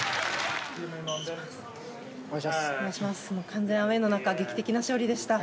完全アウェーの中劇的な勝利でした。